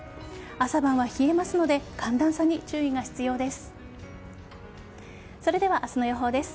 朝晩は冷えますので寒暖差に注意が必要です。